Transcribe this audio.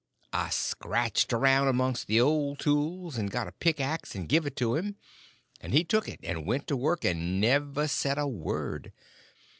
I scratched around amongst the old tools, and got a pickaxe and give it to him, and he took it and went to work, and never said a word.